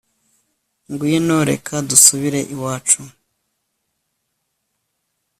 Ngwino Reka dusubire iwacu